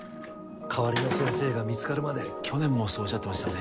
代わりの先生が見つかるまで去年もそうおっしゃってましたね